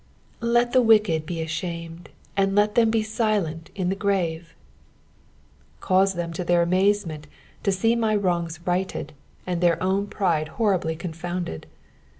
" Let the Kicked be aehamed, and let them be tUent in the grme." Uause them to their amazement to sec my wrongs righted and their own pride horribly confounded.